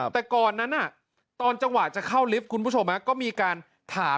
แต่ก่อนนั้นตอนจังหวะจะเข้าลิฟต์คุณผู้ชมก็มีการถาม